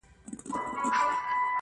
په ځنګلونو کي یې نسل ور پایمال که-